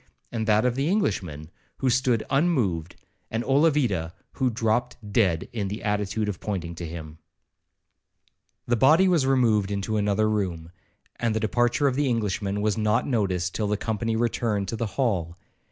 and that of the Englishman, who stood unmoved, and Olavida, who dropped dead in the attitude of pointing to him The body was removed into another room, and the departure of the Englishman was not noticed till the company returned to the hall.